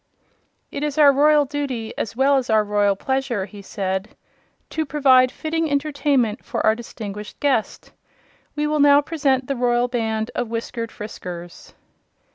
"It is our royal duty, as well as our royal pleasure," he said, "to provide fitting entertainment for our distinguished guest. We will now present the Royal Band of Whiskered Friskers."